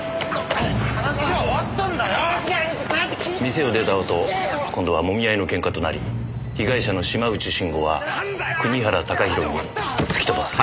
店を出たあと今度はもみ合いのケンカとなり被害者の島内慎吾は国原貴弘に突き飛ばされ。